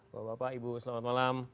bapak bapak ibu selamat malam